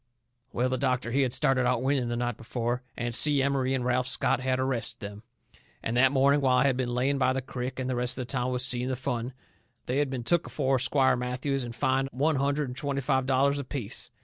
Well, the doctor, he had started out winning the night before. And Si Emery and Ralph Scott had arrested them. And that morning, while I had been laying by the crick and the rest of the town was seeing the fun, they had been took afore Squire Matthews and fined one hundred and twenty five dollars apiece.